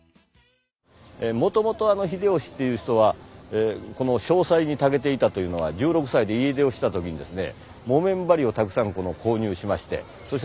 もともと秀吉っていう人は商才にたけていたというのは１６歳で家出をした時にですね。